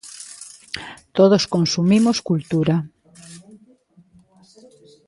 Todos consumimos cultura.